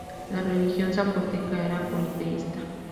La religión zapoteca era politeísta.